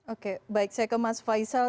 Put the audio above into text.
oke baik saya ke mas faisal